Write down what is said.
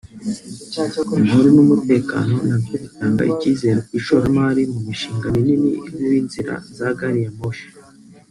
Amahoro n’ umutekano nabyo bitanga icyizere ku ishoramari mu mishinga minini nkuw’ inzira za gari ya moshi